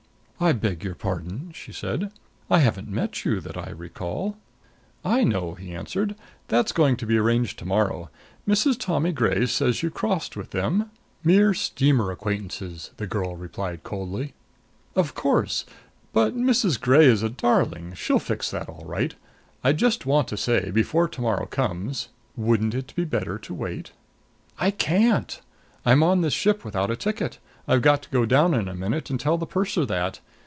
"I beg your pardon," she said. "I haven't met you, that I recall " "I know," he answered. "That's going to be arranged to morrow. Mrs. Tommy Gray says you crossed with them " "Mere steamer acquaintances," the girl replied coldly. "Of course! But Mrs. Gray is a darling she'll fix that all right. I just want to say, before to morrow comes " "Wouldn't it be better to wait?" "I can't! I'm on this ship without a ticket. I've got to go down in a minute and tell the purser that.